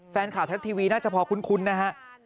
แฟนข่าวทักทีวีน่าจะพอคุ้นนะครับ